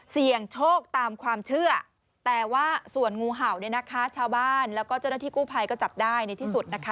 เสี่ยงโชคตามความเชื่อแต่ว่าส่วนงูเห่าเนี่ยนะคะชาวบ้านแล้วก็เจ้าหน้าที่กู้ภัยก็จับได้ในที่สุดนะคะ